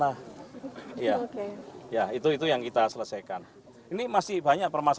apabila satu awal hud tersebut ada akan psychological warga k formation